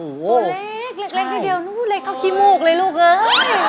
ตัวเล็กเล็กเท่าขี้มูกเลยลูกเอ้ย